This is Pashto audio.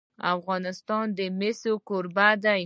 افغانستان د مس کوربه دی.